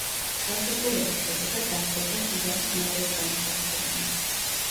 ხელშეკრულების შედეგად დასრულდა სუდანის მეორე სამოქალაქო ომი.